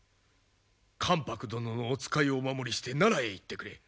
関白殿のお使いをお守りして奈良へ行ってくれ。